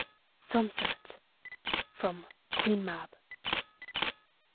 SUNSET. FROM " QUEEN MAB."